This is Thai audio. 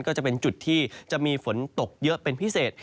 ก็จะเป็นจุดที่จะมีฝนตกเยอะเป็นพิเศษ